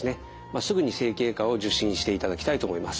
すぐに整形外科を受診していただきたいと思います。